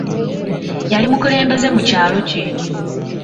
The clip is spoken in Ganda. Yali mukulembeze mu kyalo kye.